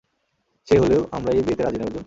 সে হলেও, আমরা এই বিয়েতে রাজি নই, অর্জুন।